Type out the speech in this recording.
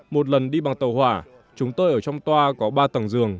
một lần đi bằng tàu hỏa chúng tôi ở trong toa có ba tầng giường